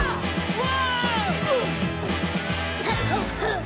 うわ！